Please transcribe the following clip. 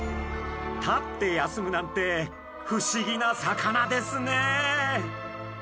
立って休むなんて不思議な魚ですね。